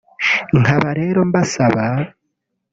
nkaba rero mbasaba